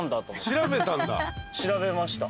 調べました。